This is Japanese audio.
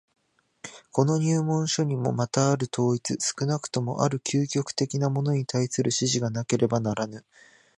この入門書にもまたある統一、少なくともある究極的なものに対する指示がなければならぬ。